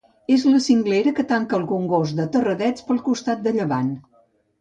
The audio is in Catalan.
És la cinglera que tanca el Congost de Terradets pel costat de llevant.